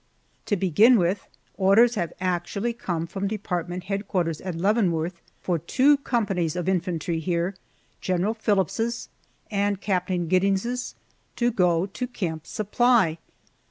To begin with, orders have actually come from Department Headquarters at Leavenworth for two companies of infantry here General Phillips' and Captain Giddings' to go to Camp Supply!